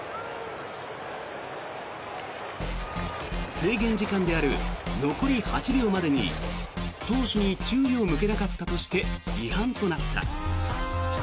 制限時間である残り８秒までに投手に注意を向けなかったとして違反となった。